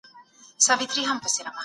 په ګرځېدو کې د چا شخصیت نه سپکېږي.